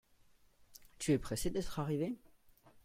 Tu es pressé d'être arrivé ?